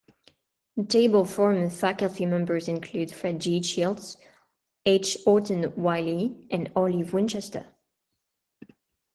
Notable former faculty members include Fred J. Shields, H. Orton Wiley, and Olive Winchester.